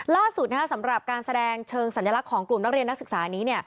ล่าสุดสำหรับการแสดงเชิงสัญลักษณ์ของกลุ่มนักเรียนนักศึกษานี้